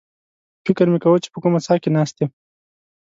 فکر مې کاوه چې په کومه څاه کې ناست یم.